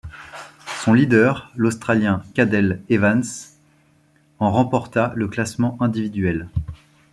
Son leader, l'Australien Cadel Evans, en remporta le classement individuel.